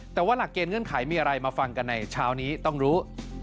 แต่ว่าหลักเกณฑ์เงื่อนไขมีอะไรมาฟังกันในเช้านี้ต้องรู้